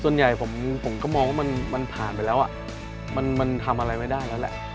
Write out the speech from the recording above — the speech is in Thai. ส่วนใหญ่ผมก็มองว่ามันผ่านไปแล้วมันทำอะไรไม่ได้แล้วแหละ